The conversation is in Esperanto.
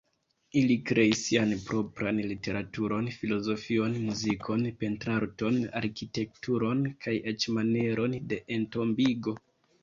Ili kreis sian propran literaturon, filozofion, muzikon, pentrarton, arkitekturon kaj eĉ manieron de entombigo.